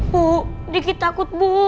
bu dikit takut bu